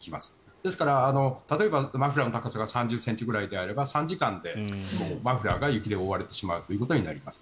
ですから、例えばマフラーの高さが３０ｃｍぐらいであれば３時間でマフラーが雪で覆われてしまうということになります。